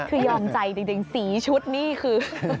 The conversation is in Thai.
คือยอมใจจริงสีชุดนี่คือ